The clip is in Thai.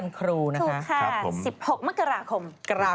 สวัสดีค่ะ